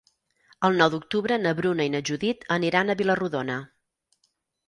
El nou d'octubre na Bruna i na Judit aniran a Vila-rodona.